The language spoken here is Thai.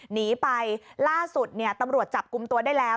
หนีไปล่าสุดตำรวจจับกุมตัวได้แล้ว